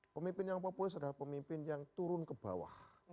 pemimpin yang populis adalah pemimpin yang turun ke bawah